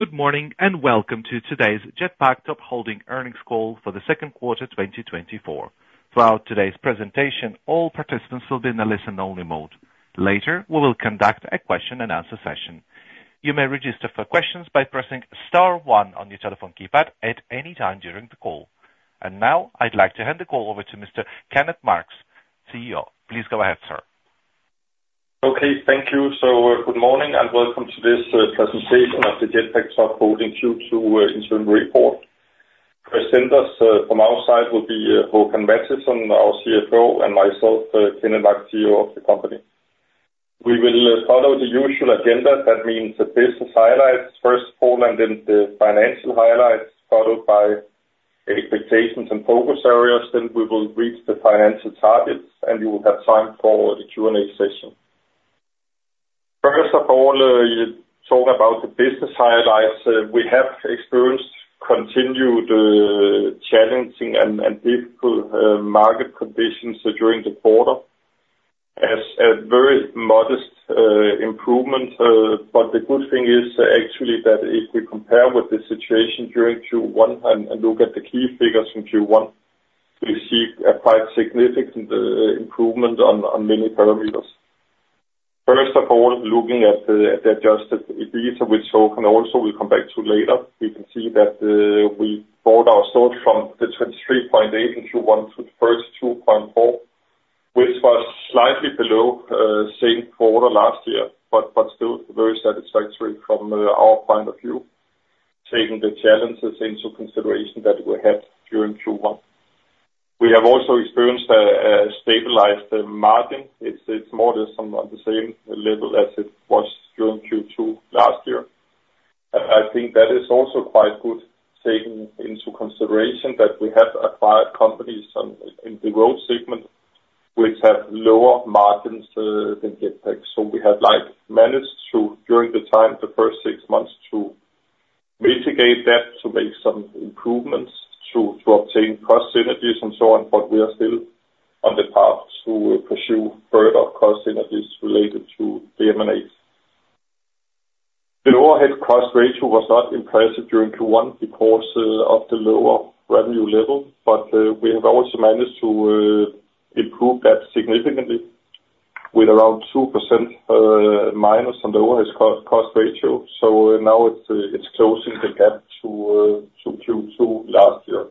Good morning, and welcome to today's Jetpak Top Holding earnings call for the Q2 2024. Throughout today's presentation, all participants will be in a listen-only mode. Later, we will conduct a Q&A session. You may register for question by pressing star one on your telephone keypad at any time during the call. And now, I'd like to hand the call over to Mr. Kenneth Marx, CEO. Please go ahead, sir. Okay, thank you. So, good morning, and welcome to this presentation of the Jetpak Top Holding Q2 interim report. Presenters from our side will be Håkan Mattisson, our CFO, and myself, Kenneth Marx, CEO of the company. We will follow the usual agenda. That means the business highlights, first of all, and then the financial highlights, followed by expectations and focus areas. Then we will reach the financial targets, and you will have time for the Q&A session. First of all, you talk about the business highlights. We have experienced continued challenging and difficult market conditions during the quarter as a very modest improvement. But the good thing is actually that if we compare with the situation during Q1 and look at the key figures from Q1, we see a quite significant improvement on many parameters. First of all, looking at the adjusted EBITDA, which Håkan also will come back to later, we can see that we brought our sales from 23.8 in Q1 to 21.4, which was slightly below same quarter last year, but still very satisfactory from our point of view, taking the challenges into consideration that we had during Q1. We have also experienced a stabilized margin. It's more or less on the same level as it was during Q2 last year. I think that is also quite good, taking into consideration that we have acquired companies on, in the growth segment, which have lower margins than Jetpak. So we have, like, managed to, during the time, the first six months, to mitigate that, to make some improvements, to obtain cost synergies and so on, but we are still on the path to pursue further cost synergies related to the M&As. The overhead cost ratio was not impressive during Q1 because of the lower revenue level, but we have also managed to improve that significantly with around 2% minus on the overhead cost ratio. So now it's closing the gap to Q2 last year.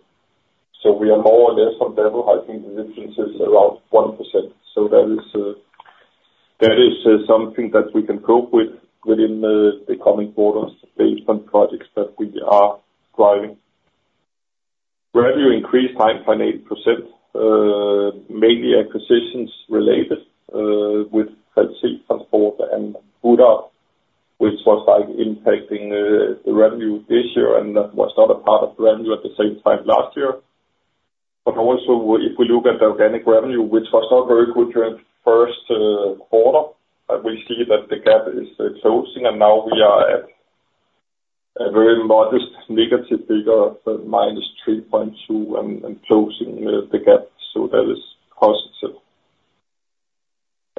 So we are more or less on level. I think the difference is around 1%. That is something that we can cope with within the coming quarters, based on projects that we are driving. Revenue increased 9.8%, mainly acquisitions related with sea transport and BudUp, which was, like, impacting the revenue this year, and that was not a part of the revenue at the same time last year. But also, if we look at the organic revenue, which was not very good during the first quarter, we see that the gap is closing, and now we are at a very modest negative figure of minus 3.2% and closing the gap, so that is positive.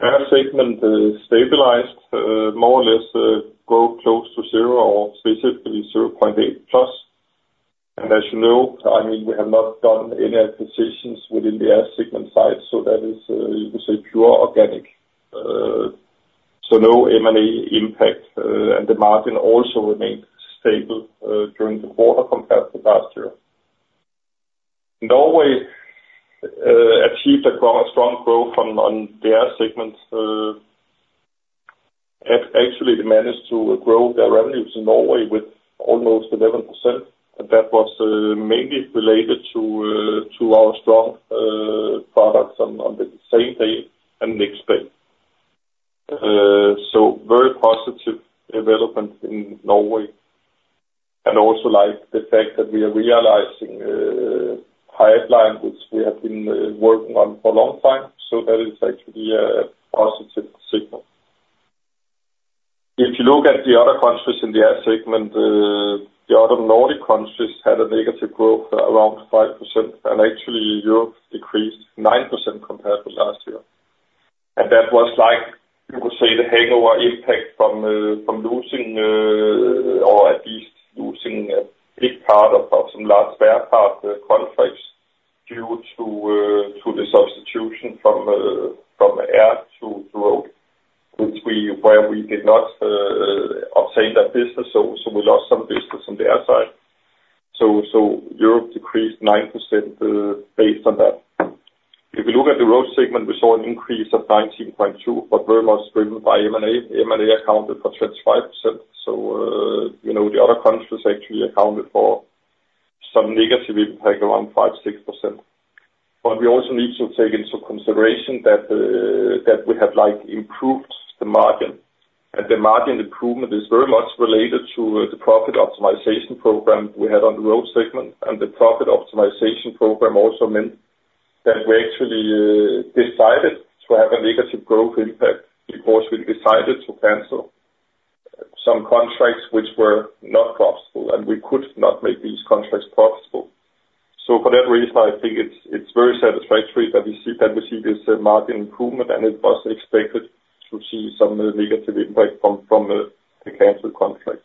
Air segment stabilized more or less grow close to zero, or specifically +0.8%. As you know, I mean, we have not done any acquisitions within the air segment side, so that is, you could say, pure organic. No M&A impact, and the margin also remained stable during the quarter compared to last year. Norway achieved a strong growth on the air segment. Actually, they managed to grow their revenues in Norway with almost 11%, and that was mainly related to our strong products on the same day and next day. Very positive development in Norway, and also, like, the fact that we are realizing pipeline, which we have been working on for a long time, that is actually a positive signal. If you look at the other countries in the air segment, the other Nordic countries had a negative growth around 5%, and actually, Europe decreased 9% compared to last year. That was like, you could say, the hangover impact from losing, or at least losing a big part of some large spare part contracts due to the substitution from air to road, where we did not obtain that business, so we lost some business on the air side, so Europe decreased 9% based on that. If you look at the road segment, we saw an increase of 19.2%, but very much driven by M&A. M&A accounted for 35%, so you know, the other countries actually accounted for some negative impact, around 5-6%. But we also need to take into consideration that we have, like, improved the margin, and the margin improvement is very much related to the profit optimization program we had on the road segment. And the profit optimization program also meant that we actually decided to have a negative growth impact because we decided to cancel some contracts which were not profitable, and we could not make these contracts profitable. So for that reason, I think it's very satisfactory that we see this market improvement, and it was expected to see some negative impact from the canceled contract.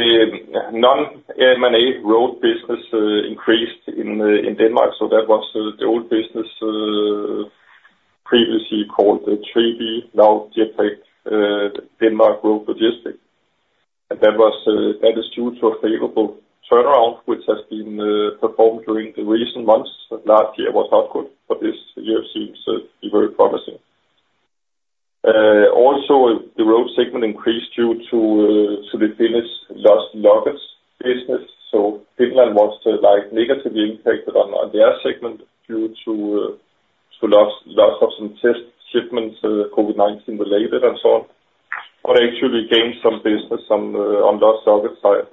The non-M&A road business increased in Denmark, so that was the old business, previously called, now Denmark Road Logistics. And that was, that is due to a favorable turnaround, which has been, performed during the recent months. Last year was not good, but this year seems to be very promising. Also, the road segment increased due to the Finnish lost luggage business. So Finland was, like, negatively impacted on their segment due to loss of some test shipments, COVID-19 related and so on, but actually gained some business on lost luggage side.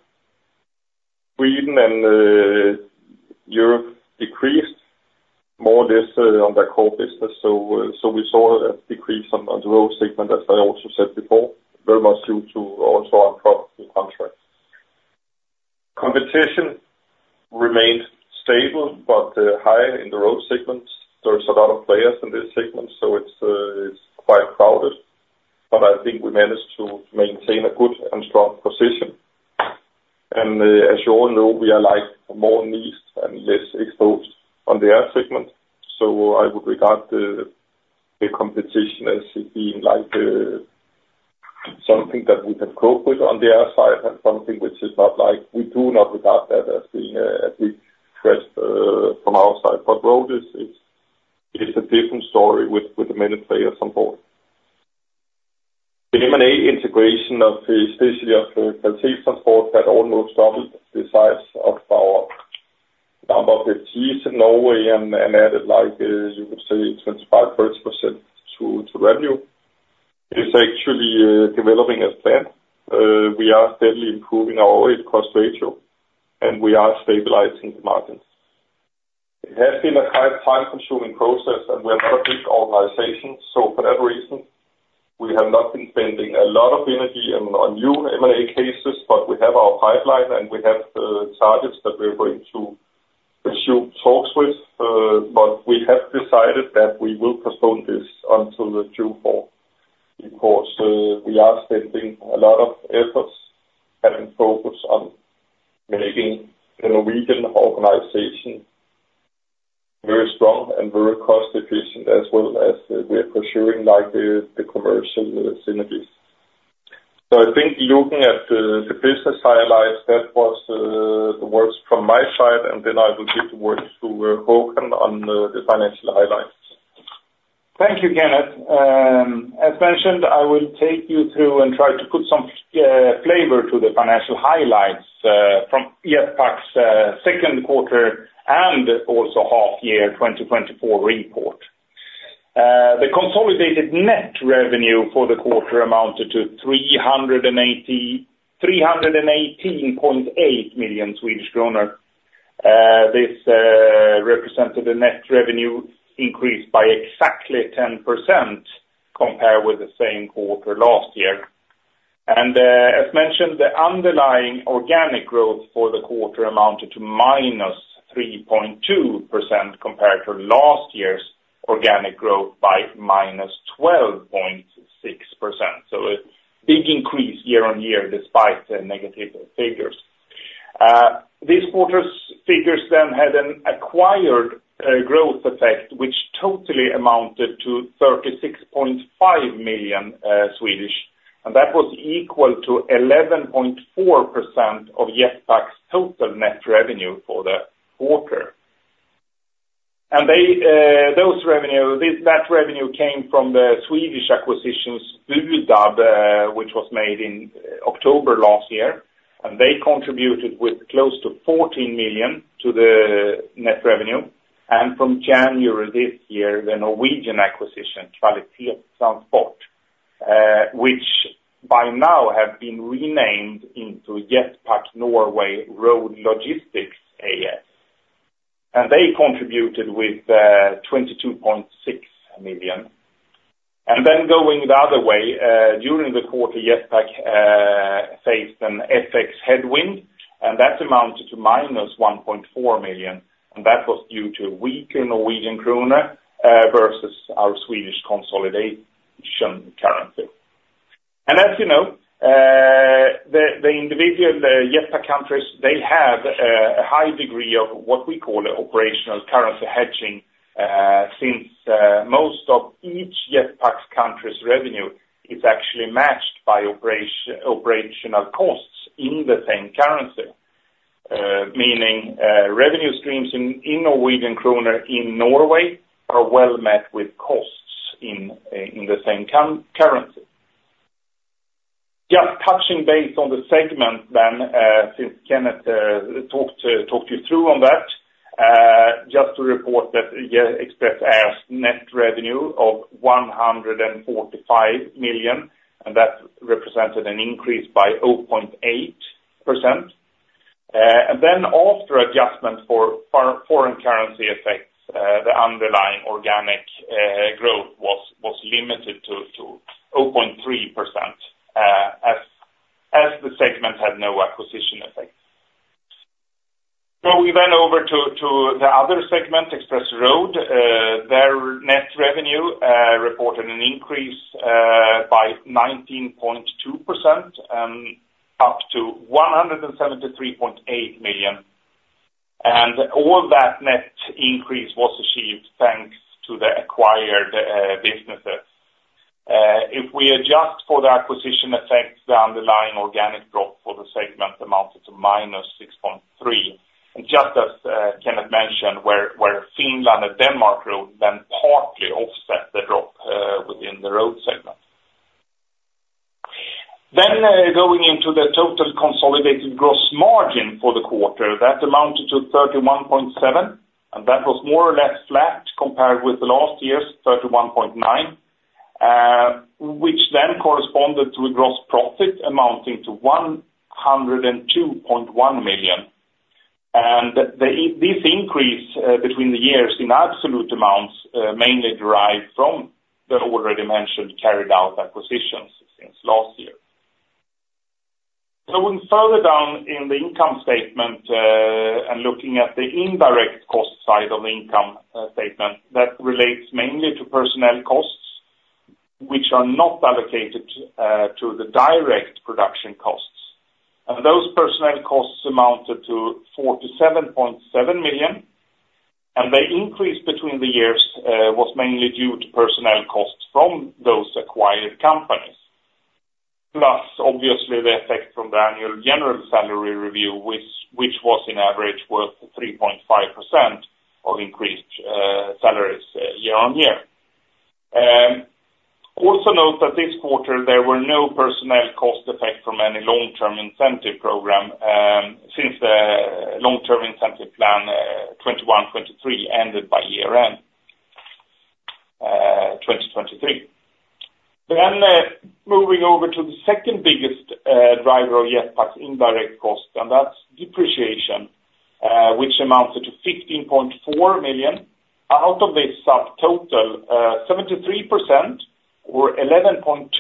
Sweden and Europe decreased more or less on the core business, so we saw a decrease on the road segment, as I also said before, very much due to also on profit contracts. Competition remained stable, but, high in the road segments. There's a lot of players in this segment, so it's quite crowded, but I think we managed to maintain a good and strong position. As you all know, we are like more niche and less exposed on the air segment, so I would regard the competition as it being like something that we can cope with on the air side, and something which is not like we do not regard that as being as a threat from our side. But road is it's a different story with the many players on board. The M&A integration of the especially of the Quality Transport, that almost doubled the size of our number of in Norway, and added like you would say 25-30% to revenue. It's actually developing as planned. We are steadily improving our cost ratio, and we are stabilizing the margins. It has been a high time-consuming process, and we are not a big organization. So for that reason, we have not been spending a lot of energy on new M&A cases, but we have our pipeline, and we have targets that we're going to pursue talks with, but we have decided that we will postpone this until the Q4. Because we are spending a lot of efforts and focus on making the Norwegian organization very strong and very cost efficient, as well as we are pursuing, like, the commercial synergies. So I think looking at the business highlights, that was the words from my side, and then I will give the words to Håkan on the financial highlights. Thank you, Kenneth. As mentioned, I will take you through and try to put some flavor to the financial highlights from Jetpak's second quarter and also half-year 2024 report. The consolidated net revenue for the quarter amounted to 318.8 million Swedish kronor. This represented a net revenue increase by exactly 10% compared with the same quarter last year, and as mentioned, the underlying organic growth for the quarter amounted to -3.2% compared to last year's organic growth by -12.6%, so a big increase year on year, despite the negative figures. This quarter's figures then had an acquired growth effect, which totally amounted to 36.5 million, and that was equal to 11.4% of Jetpak's total net revenue for the quarter. That revenue came from the Swedish acquisitions, BudUp, which was made in October last year, and they contributed with close to 14 million to the net revenue. From January this year, the Norwegian acquisition, Quality Transport, which by now have been renamed into Jetpak Norway Road Logistics AS. And they contributed with 22.6 million. Then going the other way, during the quarter, Jetpak faced an FX headwind, and that amounted to minus 1.4 million, and that was due to a weak Norwegian kroner versus our Swedish consolidation currency. As you know, the individual Jetpak countries have a high degree of what we call operational currency hedging, since most of each Jetpak's country's revenue is actually matched by operational costs in the same currency. Meaning, revenue streams in Norwegian kroner in Norway are well met with costs in the same currency. Just touching base on the segment then, since Kenneth talked you through on that, just to report that, yeah, Express Air's net revenue of 145 million, and that represented an increase by 0.8%. And then after adjustment for foreign currency effects, the underlying organic growth was limited to 0.3%, as the segment had no acquisition effect. We went over to the other segment, Express Road. Their net revenue reported an increase by 19.2%, up to 173.8 million. All that net increase was achieved thanks to the acquired businesses. If we adjust for the acquisition effect, the underlying organic drop for the segment amounted to -6.3%. Just as Kenneth mentioned, Finland and Denmark Road then partly offset the drop within the road segment. Going into the total consolidated gross margin for the quarter, that amounted to 31.7%, and that was more or less flat compared with last year's 31.9%, which then corresponded to a gross profit amounting to 102.1 million. And this increase between the years in absolute amounts mainly derived from the already mentioned carried out acquisitions since last year. Going further down in the income statement and looking at the indirect cost side of the income statement, that relates mainly to personnel costs, which are not allocated to the direct production costs. And those personnel costs amounted to 47.7 million, and the increase between the years was mainly due to personnel costs from those acquired companies. Plus, obviously, the effect from the annual general salary review, which was in average worth 3.5% of increased salaries year on year. Also note that this quarter there were no personnel cost effect from any long-term incentive program, since the long-term incentive plan 2021-2023 ended by year-end 2023. Moving over to the second biggest driver of Jetpak's indirect cost, and that's depreciation, which amounted to 15.4 million. Out of this subtotal, 73% or 11.2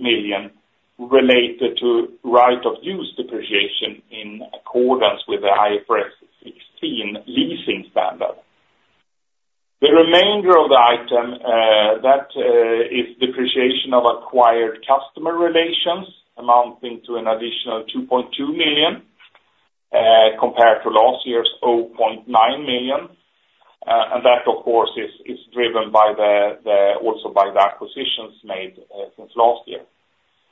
million related to right of use depreciation in accordance with the IFRS 16 leasing standard. The remainder of the item that is depreciation of acquired customer relations amounting to an additional 2.2 million, compared to last year's 0.9 million SEK. And that, of course, is driven also by the acquisitions made since last year.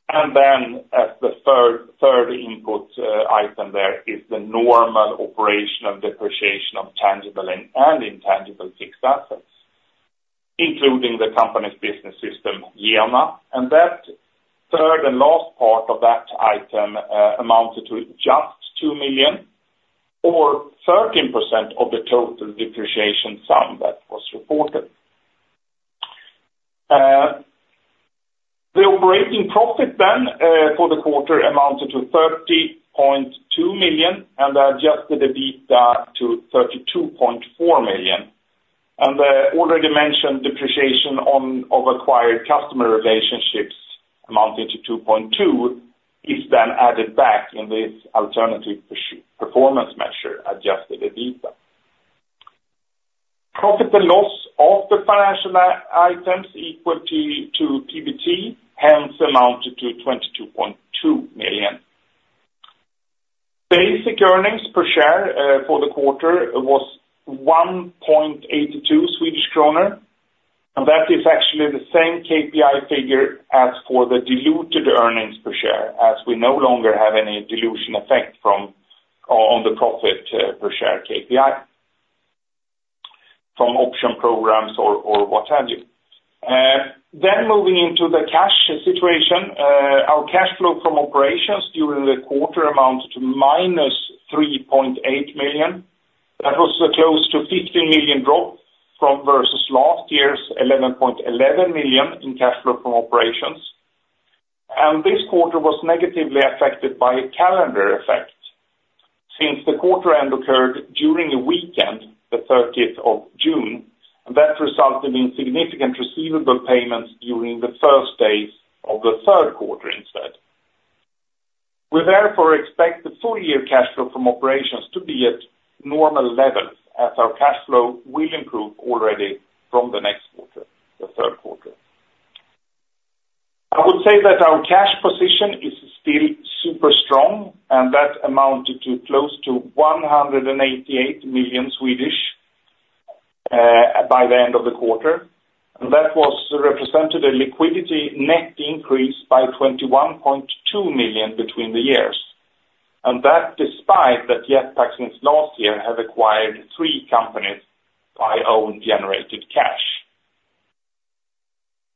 And then as the third input, item, there is the normal operation of depreciation of tangible and intangible fixed assets, including the company's business system, JENA, and that third and last part of that item amounted to just 2 million or 13% of the total depreciation sum that was reported. The operating profit then for the quarter amounted to 30.2 million and adjusted EBITDA to 32.4 million. And the already mentioned depreciation of acquired customer relationships amounting to 2.2 is then added back in this alternative performance measure, adjusted EBITDA. Profit and loss of the financial items equal to PBT hence amounted to 22.2 million. Basic earnings per share for the quarter was 1.82 Swedish kronor, and that is actually the same KPI figure as for the diluted earnings per share, as we no longer have any dilution effect from, on the profit per share KPI, from option programs or what have you. Then moving into the cash situation, our cash flow from operations during the quarter amounted to minus 3.8 million. That was close to 15 million drop from versus last year's 11.11 million in cash flow from operations. And this quarter was negatively affected by a calendar effect. Since the quarter end occurred during the weekend, the thirtieth of June, and that resulted in significant receivable payments during the first days of the third quarter instead. We therefore expect the full year cash flow from operations to be at normal levels as our cash flow will improve already from the next quarter, the third quarter. I would say that our cash position is still super strong, and that amounted to close to 188 million SEK by the end of the quarter. And that represented a liquidity net increase by 21.2 million between the years. And that, despite that Jetpak since last year have acquired three companies by own generated cash.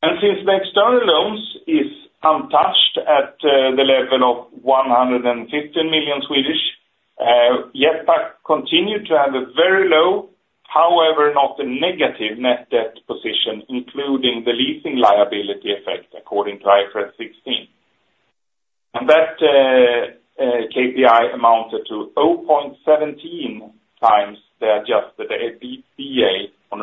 And since the external loans is untouched at the level of 150 million SEK, Jetpak continue to have a very low, however, not a negative net debt position, including the leasing liability effect, according to IFRS 16. And that KPI amounted to 0.17 times the adjusted EBITDA. But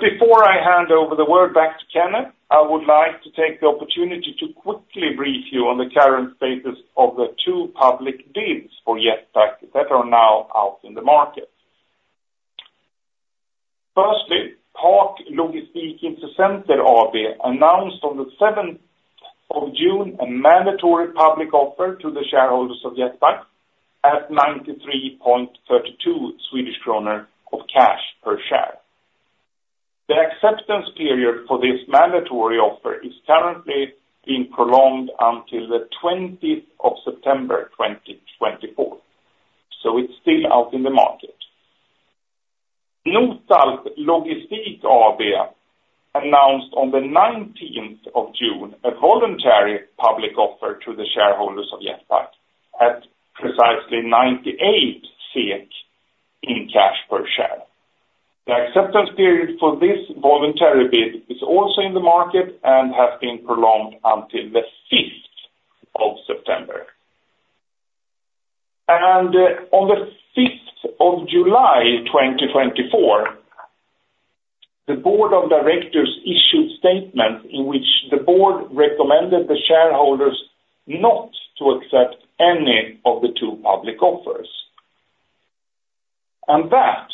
before I hand over the word back to Kenneth, I would like to take the opportunity to quickly brief you on the current status of the two public bids for Jetpak that are now out in the market. Firstly, Pak Logistik Intressenter AB announced on the seventh of June, a mandatory public offer to the shareholders of Jetpak at 93.32 Swedish kronor of cash per share. The acceptance period for this mandatory offer is currently being prolonged until the twentieth of September, 2024, so it's still out in the market. Notalp Logistik AB announced on the nineteenth of June, a voluntary public offer to the shareholders of Jetpak at precisely 98 SEK in cash per share. The acceptance period for this voluntary bid is also in the market, and has been prolonged until the fifth of September. On the fifth of July, 2024, the board of directors issued a statement in which the board recommended the shareholders not to accept any of the two public offers. That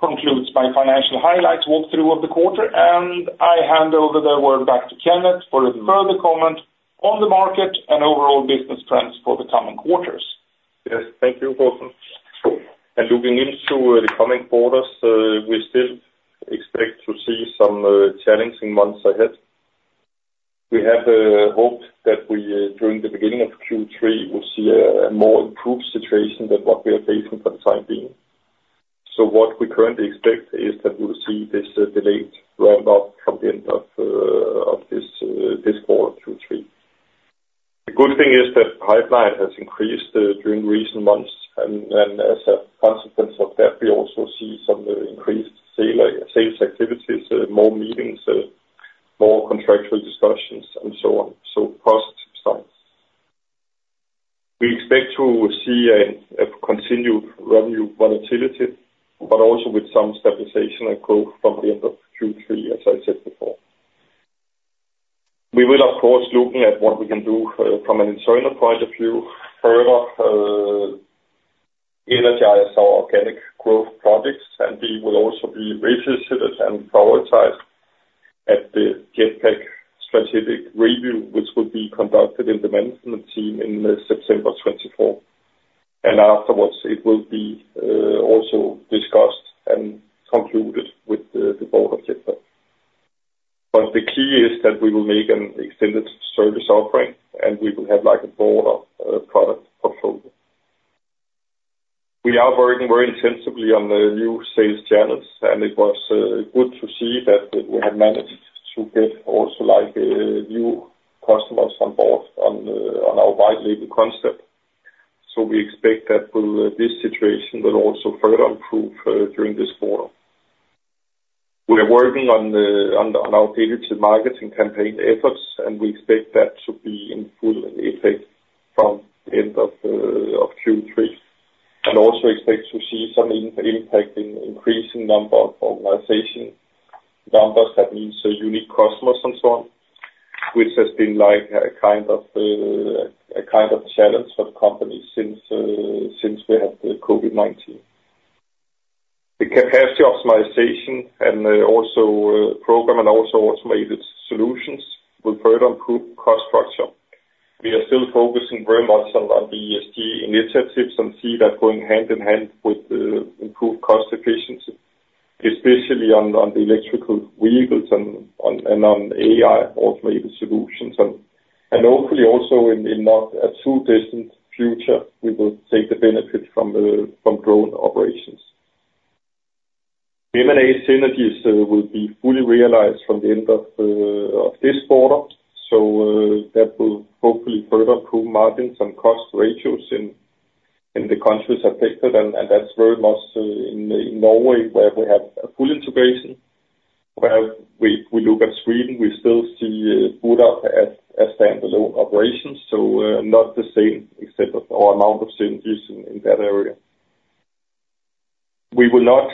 concludes my financial highlights walkthrough of the quarter, and I hand over the word back to Kenneth for a further comment on the market and overall business trends for the coming quarters. Yes, thank you, Håkan. And looking into the coming quarters, we still expect to see some challenging months ahead. We have hoped that we, during the beginning of Q3, will see a more improved situation than what we are facing for the time being. So what we currently expect is that we will see this delayed ramp up from the end of this quarter, Q3. The good thing is that pipeline has increased during recent months, and as a consequence of that, we also see some increased sales activities, more meetings, more contractual discussions, and so on. So positive signs. We expect to see a continued revenue volatility, but also with some stabilization and growth from the end of Q3, as I said before. We will of course, looking at what we can do, from an internal point of view, further, energize our organic growth projects, and we will also be revisited and prioritized at the Jetpak strategic review, which will be conducted in the management team in September 2024. Afterwards, it will be also discussed and concluded with the board of Jetpak. The key is that we will make an extended service offering, and we will have, like, a broader product portfolio. We are working very intensively on the new sales channels, and it was good to see that we have managed to get also, like, new customers on board on our White Label concept. We expect that will, this situation will also further improve during this quarter. We are working on our digital marketing campaign efforts, and we expect that to be in full effect from the end of Q3, and also expect to see some impact in increasing number of organization numbers. That means unique customers and so on, which has been like a kind of challenge for the company since we had the COVID-19. The capacity optimization and also program and also automated solutions will further improve cost structure. We are still focusing very much on the ESG initiatives and see that going hand in hand with the improved cost efficiency, especially on the electric vehicles and on and on AI automated solutions, and hopefully also in not a too distant future, we will take the benefit from drone operations. M&A synergies will be fully realized from the end of this quarter, so that will hopefully further improve margins and cost ratios in the countries affected, and that's very much in Norway, where we have a full integration. Where we look at Sweden, we still see BudUp as standalone operations, so not the same extent of or amount of synergies in that area. We will not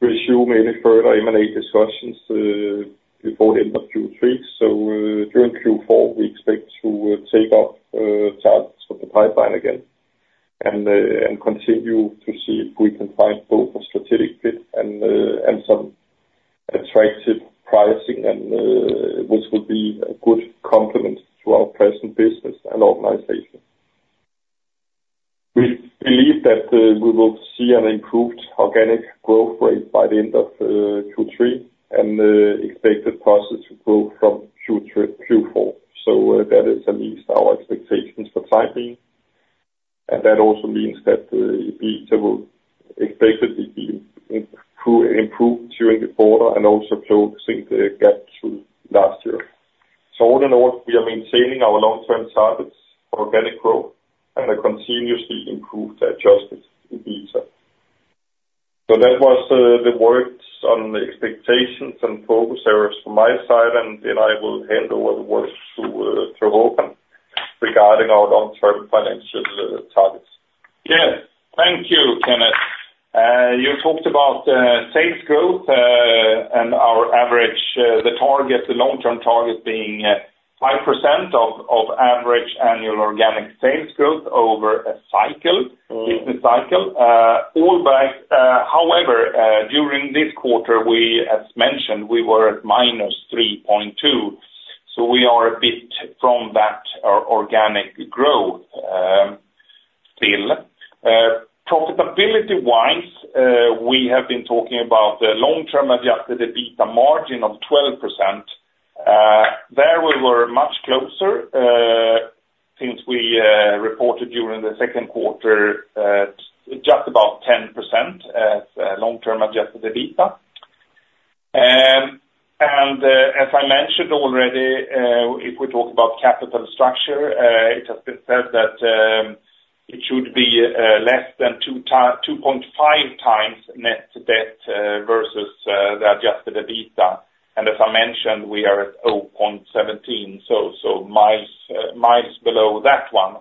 pursue many further M&A discussions before the end of Q3. So during Q4, we expect to take up targets for the pipeline again and continue to see if we can find both a strategic fit and some attractive pricing, and which will be a good complement to our present business and organization. We believe that we will see an improved organic growth rate by the end of Q3, and expect the process to grow from Q3 to Q4. So that is at least our expectations for timing, and that also means that EBITDA will expected to be improve during the quarter and also closing the gap to last year. So all in all, we are maintaining our long-term targets for organic growth and continuously improve the adjustments in EBITDA. So that was the words on the expectations and focus areas from my side, and then I will hand over the words to Håkan regarding our long-term financial targets. Yeah, thank you, Kenneth. You talked about sales growth and our average, the target, the long-term target being 5% of average annual organic sales growth over a cycle- Mm. Business cycle. All by, however, during this quarter, we, as mentioned, we were at minus three point two, so we are a bit from that organic growth, still. Profitability-wise, we have been talking about the long-term Adjusted EBITDA margin of 12%. There we were much closer, since we reported during the second quarter, just about 10% as long-term Adjusted EBITDA. And, as I mentioned already, if we talk about capital structure, it has been said that it should be less than 2.5 times net debt versus the Adjusted EBITDA. And as I mentioned, we are at 0.17, so miles below that one.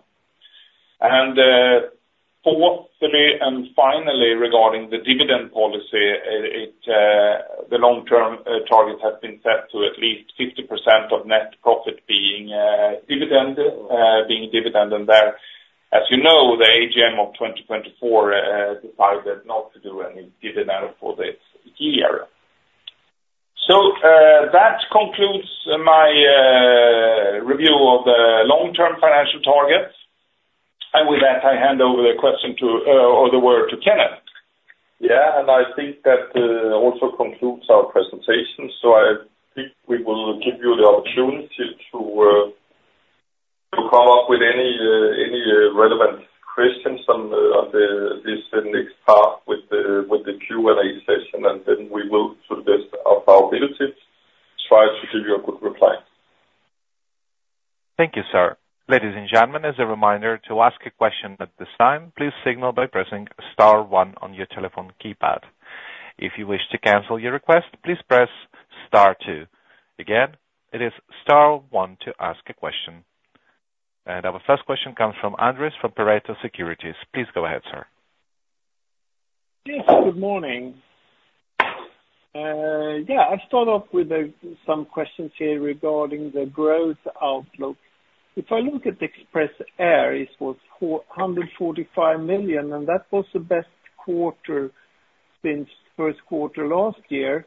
Fourthly and finally, regarding the dividend policy, it, the long-term target has been set to at least 50% of net profit being dividend. And there, as you know, the AGM of 2024 decided not to do any dividend for this year. So, that concludes my review of the long-term financial targets. And with that, I hand over the question to, or the word to Kenneth. Yeah, and I think that also concludes our presentation. So I think we will give you the opportunity to come up with any relevant questions on this next part with the Q&A session, and then we will, to the best of our ability, try to give you a good reply. Thank you, sir. Ladies and gentlemen, as a reminder, to ask a question at this time, please signal by pressing star one on your telephone keypad. If you wish to cancel your request, please press star two. Again, it is star one to ask a question. And our first question comes from Anders from Pareto Securities. Please go ahead, sir. Yes, good morning. Yeah, I'll start off with some questions here regarding the growth outlook. If I look at the Express Air, it was 445 million, and that was the best quarter since first quarter last year.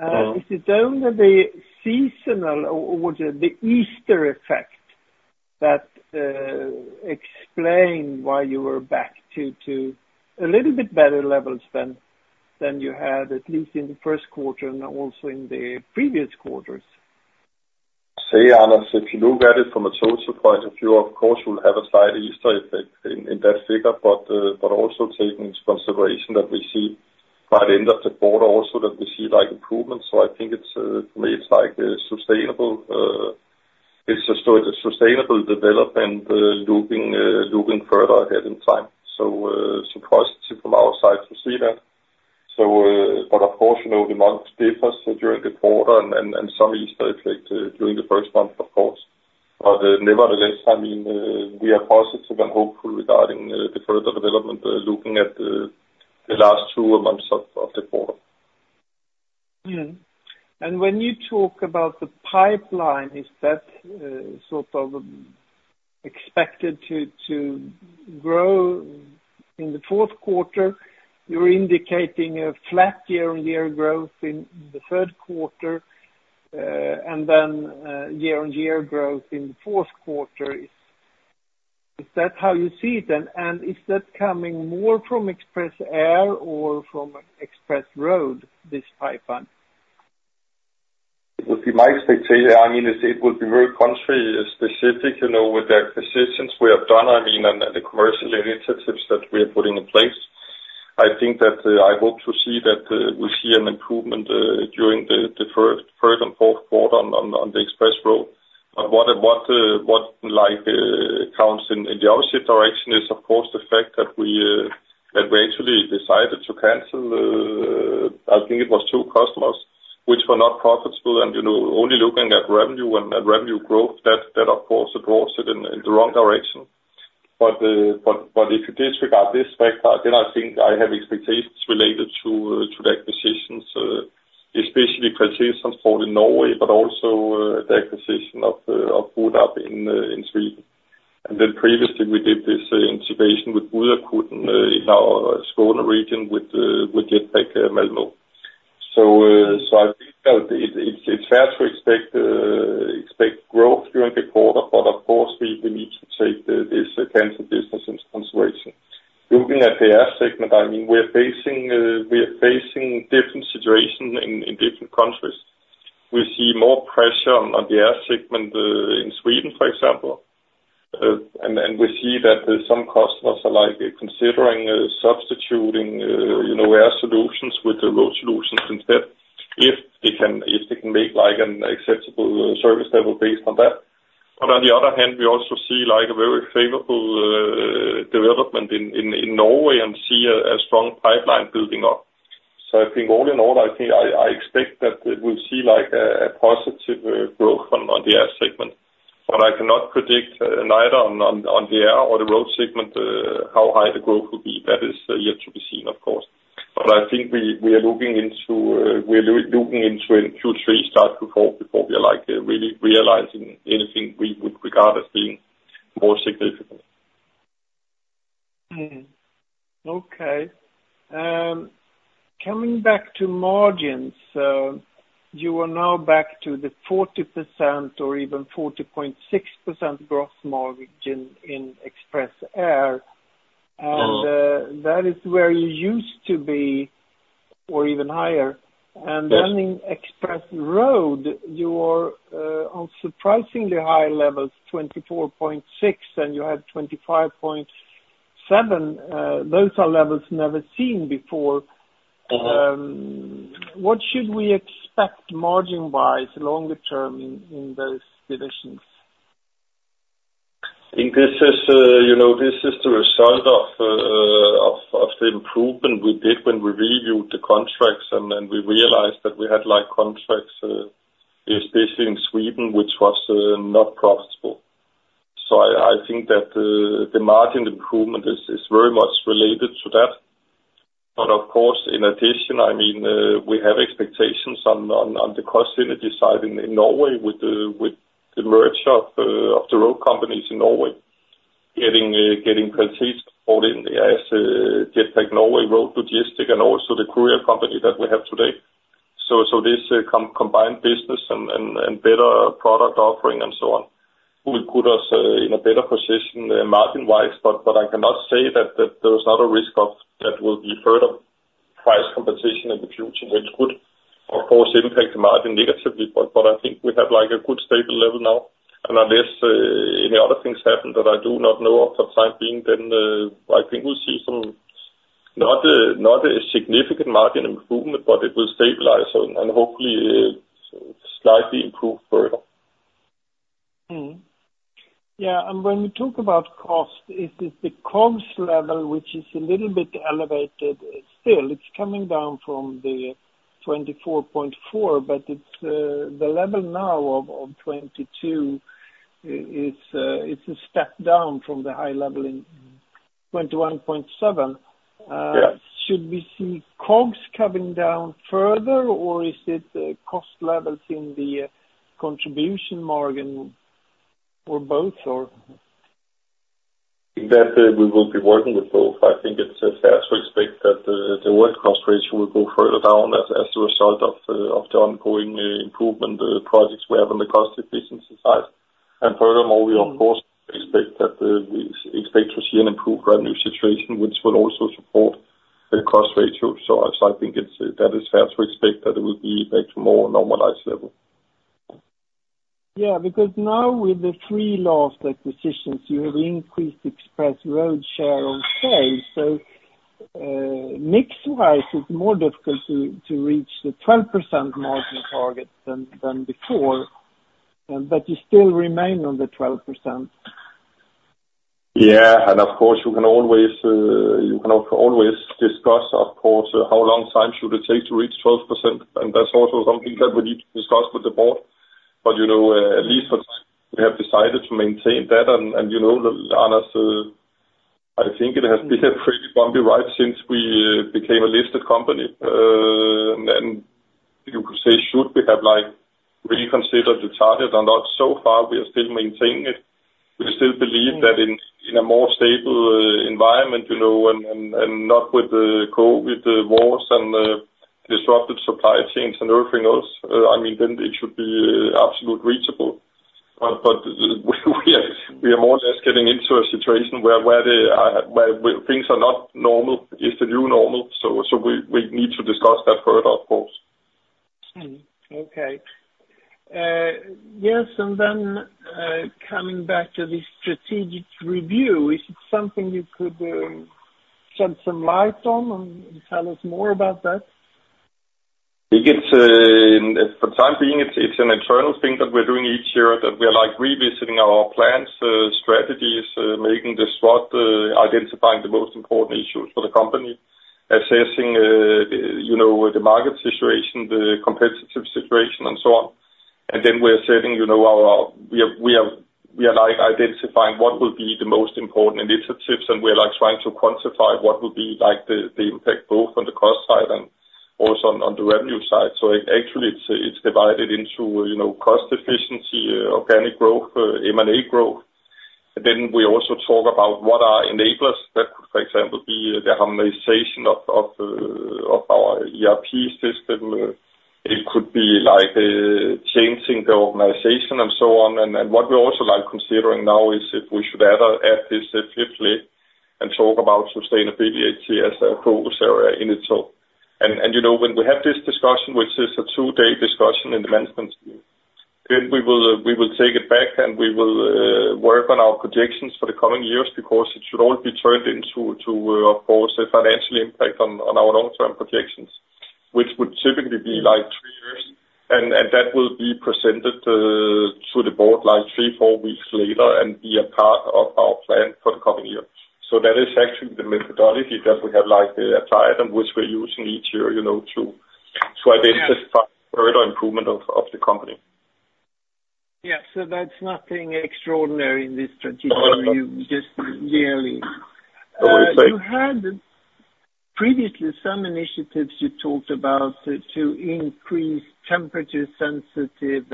Mm. Is it only the seasonal or the Easter effect that explain why you were back to a little bit better levels than you had, at least in the first quarter and also in the previous quarters? So, Anders, if you look at it from a total point of view, of course, you'll have a slight Easter effect in that figure, but also take into consideration that we see by the end of the quarter also that we see, like, improvements. I think it's, for me, it's like a sustainable development, looking further ahead in time. So positive from our side to see that. But of course, you know, the monthly figures during the quarter and some Easter effect during the first month, of course. But nevertheless, I mean, we are positive and hopeful regarding the further development, looking at the last two months of the quarter. And when you talk about the pipeline, is that sort of expected to grow in the Q4? You're indicating a flat year-on-year growth in the third quarter, and then year-on-year growth in the Q4. Is that how you see it then? And is that coming more from Express Air or from Express Road, this pipeline? It would be my expectation. I mean, it would be very country specific, you know, with the acquisitions we have done, I mean, and the commercial initiatives that we are putting in place. I think that I hope to see that we see an improvement during the first, third and Q4 on the Express Road. But what like counts in the opposite direction is, of course, the fact that we actually decided to cancel, I think it was two customers, which were not profitable. And, you know, only looking at revenue and revenue growth, that, of course, it draws it in the wrong direction. But if you disregard this factor, then I think I have expectations related to the acquisitions, especially acquisitions in Norway, but also the acquisition of BudUp in Sweden. And then previously, we did this integration with Budakuten in our Skåne region with Jetpak Malmö. So I think that it's fair to expect growth during the quarter, but of course, we need to take this cancel business into consideration. Looking at the air segment, I mean, we are facing different situations in different countries. We see more pressure on the air segment in Sweden, for example. And we see that some customers are, like, considering substituting, you know, air solutions with the road solutions instead, if they can make, like, an acceptable service level based on that. But on the other hand, we also see, like, a very favorable development in Norway and see a strong pipeline building up. So I think all in all, I expect that we'll see like a positive growth on the air segment. But I cannot predict neither on the air or the road segment how high the growth will be. That is yet to be seen, of course. But I think we are looking into a Q3 start before we are, like, really realizing anything we would regard as being more significant. Okay. Coming back to margins, you are now back to the 40% or even 40.6% gross margin in Express Air- Mm. That is where you used to be, or even higher. Yes. And then in Express Road, you are on surprisingly high levels, 24.6, and you had 25.7. Those are levels never seen before. Uh-huh. What should we expect margin-wise, longer term in those divisions? I think this is, you know, this is the result of the improvement we did when we reviewed the contracts, and then we realized that we had, like, contracts, especially in Sweden, which was not profitable, so I think that the margin improvement is very much related to that. But of course, in addition, I mean, we have expectations on the cost energy side in Norway with the merger of the road companies in Norway, getting potentially brought in as Jetpak Norway Road Logistics and also the courier company that we have today. So, this combined business and better product offering, and so on, will put us in a better position margin-wise, but I cannot say that there is not a risk of... That will be further price competition in the future, which could, of course, impact the margin negatively. But I think we have, like, a good stable level now, and unless any other things happen that I do not know of for the time being, then I think we'll see some, not a significant margin improvement, but it will stabilize and hopefully slightly improve further. Mm. Yeah, and when you talk about cost, it is the cost level, which is a little bit elevated. Still, it's coming down from the 24.4, but it's the level now of 22, it's a step down from the high level in 21.7. Yes. Should we see costs coming down further, or is it the cost levels in the contribution margin, or both, or? That we will be working with both. I think it's fair to expect that the overhead cost ratio will go further down as a result of the ongoing improvement projects we have on the cost efficiency side. And furthermore, we of course expect to see an improved revenue situation, which will also support the cost ratio. So I think that is fair to expect that it will be back to more normalized level. Yeah, because now with the three last acquisitions, you have increased Express Road share of sales. So, mix-wise, it's more difficult to reach the 12% margin target than before, but you still remain on the 12%. Yeah, and of course, you can always discuss, of course, how long time should it take to reach 12%, and that's also something that we need to discuss with the board. But, you know, at least we have decided to maintain that. And, you know, honestly, I think it has been a pretty bumpy ride since we became a listed company. And you could say, should we have, like, reconsidered the target or not? So far, we are still maintaining it. We still believe that in a more stable environment, you know, and not with the COVID wars and disrupted supply chains and everything else, I mean, then it should be absolutely reachable. We are more or less getting into a situation where things are not normal is the new normal. We need to discuss that further, of course. Okay. Yes, and then, coming back to the strategic review, is it something you could shed some light on and tell us more about that? I think it's for the time being, it's an internal thing that we're doing each year, that we are like revisiting our plans, strategies, making the SWOT, identifying the most important issues for the company. Assessing you know the market situation, the competitive situation, and so on. And then we're saying you know our. We have we are like identifying what will be the most important initiatives, and we're like trying to quantify what will be like the impact, both on the cost side and also on the revenue side. So actually it's divided into you know cost efficiency, organic growth, M&A growth. And then we also talk about what are enablers that could for example be the harmonization of our ERP system. It could be like changing the organization and so on, and what we're also, like, considering now is if we should add this fifthly and talk about sustainability as a focus area in itself, you know, when we have this discussion, which is a two-day discussion in the management team, then we will take it back and we will work on our projections for the coming years, because it should all be turned into, of course, a financial impact on our long-term projections, which would typically be like, and that will be presented to the board like three, four weeks later and be a part of our plan for the coming year. So that is actually the methodology that we have, like, applied, and which we're using each year, you know, to identify further improvement of the company. Yeah, so that's nothing extraordinary in this strategy. No. You just yearly. I would say. You had previously some initiatives you talked about to increase temperature sensitive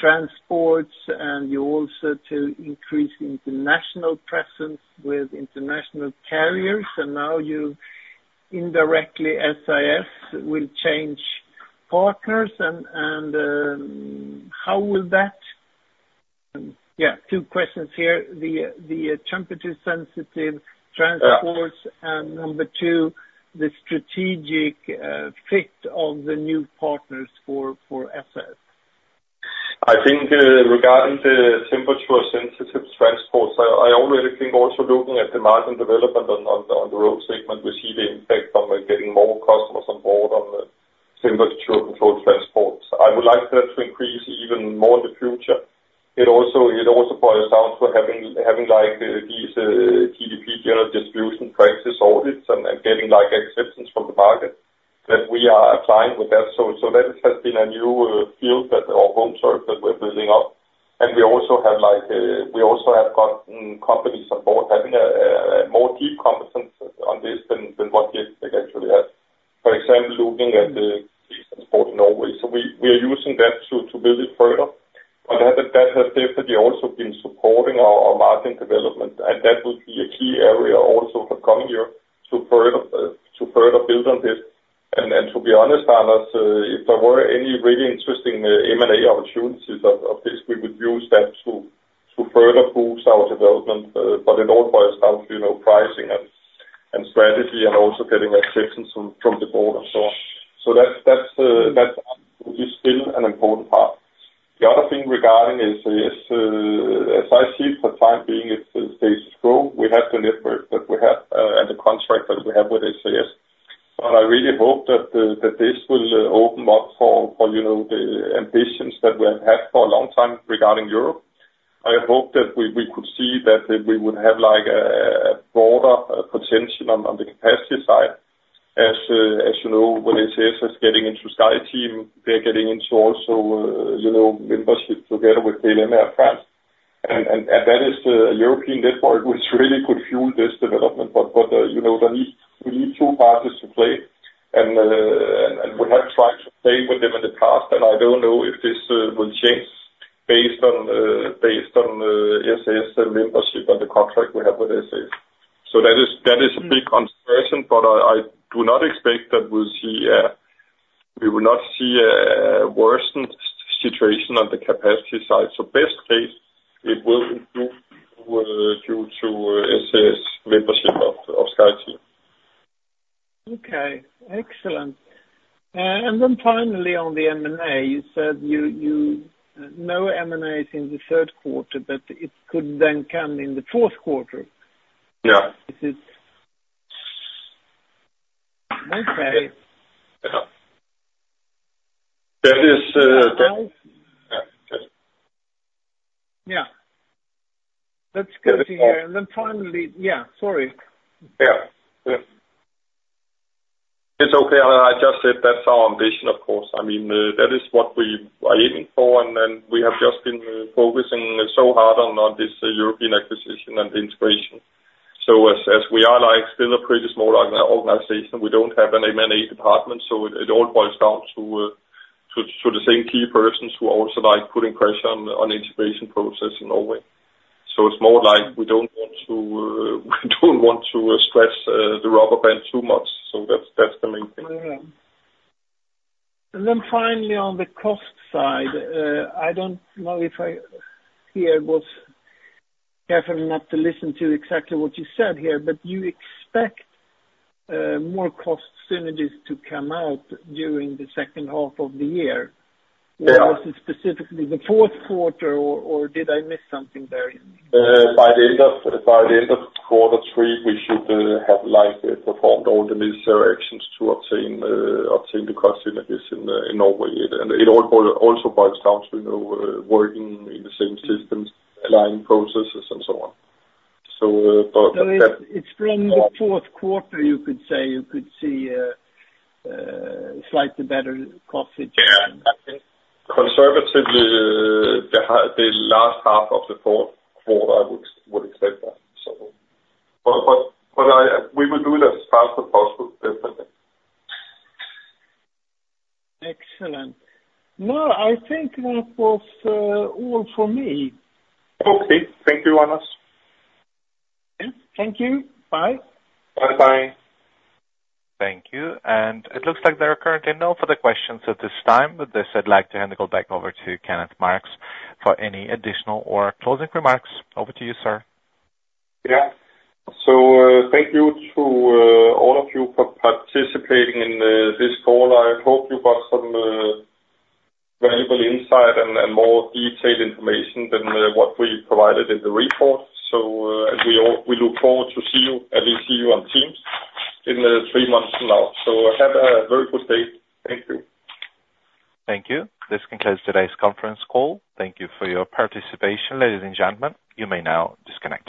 transports, and you also to increase international presence with international carriers, and now you indirectly, SAS will change partners and how will that... two questions here: the temperature sensitive transports- Yeah. and number two, the strategic fit of the new partners for SAS. I think, regarding the temperature sensitive transports, I already think also looking at the margin development on the road segment, we see the impact on getting more customers on board on the temperature controlled transports. I would like that to increase even more in the future. It also boils down to having like these GDP, Good Distribution Practice audits and getting, like, acceptance from the market, that we are applying with that. So that has been a new field that our own service that we're building up. And we also have like we also have got companies on board having a more deep competence on this than what they actually have. For example, looking at the transport in Norway. So we are using that to build it further. But that has definitely also been supporting our margin development, and that will be a key area also for coming year to further build on this. And to be honest, Anders, if there were any really interesting M&A opportunities of this, we would use that to further boost our development. But it all boils down to, you know, pricing and strategy, and also getting acceptance from the board and so on. So that is still an important part. The other thing regarding is as I see it, for the time being, it stays strong. We have the network that we have and the contract that we have with SAS. But I really hope that this will open up for you know the ambitions that we have had for a long time regarding Europe. I hope that we could see that we would have like a broader potential on the capacity side. As you know, when SAS is getting into SkyTeam, they're getting into also membership together with KLM and Air France. And that is the European network, which really could fuel this development. But we need two parties to play, and we have tried to play with them in the past, and I don't know if this will change based on SAS membership and the contract we have with SAS. So that is a big consideration, but I do not expect that we'll see. We will not see a worsened situation on the capacity side. So best case, it will improve due to SAS membership of SkyTeam. Okay, excellent, and then finally, on the M&A, you said no M&A in the third quarter, but it could then come in the Q4. Yeah. Is it okay. Yeah. That is, Yeah. Yes. Yeah. That's good to hear, and then finally... Yeah, sorry. Yeah. Yeah. It's okay. I just said that's our ambition, of course. I mean, that is what we are aiming for, and then we have just been focusing so hard on this European acquisition and integration. So as we are, like, still a pretty small organization, we don't have an M&A department, so it all boils down to the same key persons who are also, like, putting pressure on the integration process in Norway. So it's more like we don't want to stress the rubber band too much. So that's the main thing. Yeah. And then finally, on the cost side, I don't know if I heard you correctly, but you expect more cost synergies to come out during the second half of the year? Yeah. Or was it specifically the Q4, or, or did I miss something there? By the end of Q3, we should have, like, performed all the necessary actions to obtain the cost synergies in Norway. And it all also boils down to, you know, working in the same systems, aligning processes and so on. So, but that- So it's from the Q4, you could say. You could see slightly better cost efficient? Yeah. I think conservatively, the last half of the Q4, I would expect that, so. But we will do that as fast as possible, definitely. Excellent. No, I think that was all for me. Okay. Thank you, Anders. Yeah. Thank you. Bye. Bye-bye. Thank you. And it looks like there are currently no further questions at this time. With this, I'd like to hand it back over to Kenneth Marx for any additional or closing remarks. Over to you, sir. Yeah. So, thank you to all of you for participating in this call. I hope you got some valuable insight and more detailed information than what we provided in the report. So, as we look forward to see you, and we see you on Teams in three months from now. So have a very good day. Thank you. Thank you. This concludes today's conference call. Thank you for your participation, ladies and gentlemen. You may now disconnect.